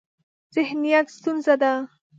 ذهنیت ستونزه ده.